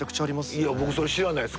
いや僕それ知らないです